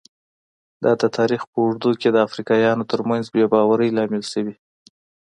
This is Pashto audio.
دا د تاریخ په اوږدو کې د افریقایانو ترمنځ بې باورۍ لامل شوي.